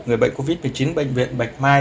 người bệnh covid một mươi chín bệnh viện bạch mai